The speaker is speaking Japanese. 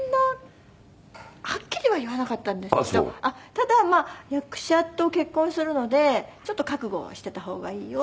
ただ役者と結婚するのでちょっと覚悟してた方がいいよみたいな事は。